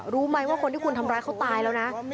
รู้ไหมว่าคนที่คุณทำร้ายเขาตายแล้วนะ